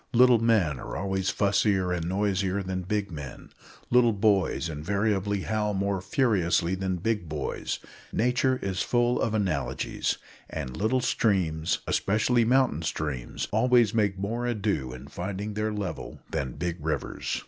Little men are always fussier and noisier than big men; little boys invariably howl more furiously than big boys. Nature is full of analogies; and little streams, especially mountain streams, always make more ado in finding their level than big rivers.